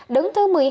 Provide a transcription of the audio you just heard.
đứng thứ một mươi hai